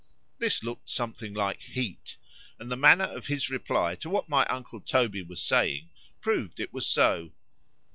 This looked something like heat;—and the manner of his reply to what my uncle Toby was saying, proved it was so.